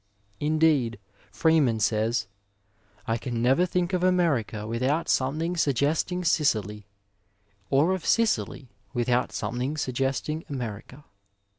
Indeed, Freeman says: *'I can never think of America without something suggesting Sicily, or of Sicily without something suggesting America.''